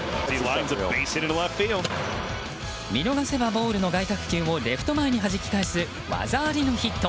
見逃せばボールの外角球をレフト前にはじき返す技ありのヒット。